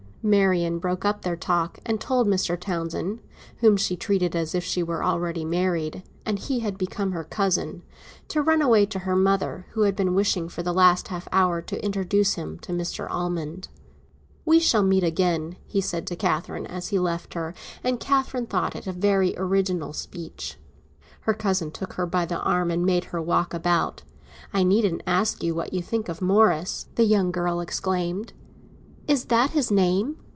Marian broke up their talk, and told Mr. Townsend—whom she treated as if she were already married, and he had become her cousin—to run away to her mother, who had been wishing for the last half hour to introduce him to Mr. Almond. "We shall meet again!" he said to Catherine as he left her, and Catherine thought it a very original speech. Her cousin took her by the arm, and made her walk about. "I needn't ask you what you think of Morris!" the young girl exclaimed. "Is that his name?"